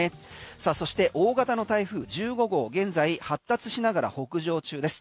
さあそして大型の台風１５号現在発達しながら北上中です。